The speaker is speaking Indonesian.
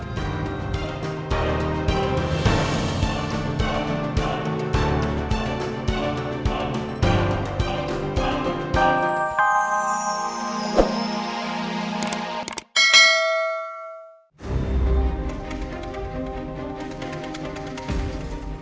aku mau datang